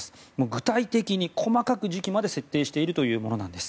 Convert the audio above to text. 具体的に細かく時期まで設定しているというものです。